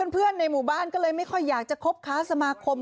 ในหมู่บ้านก็เลยไม่ค่อยอยากจะคบค้าสมาคม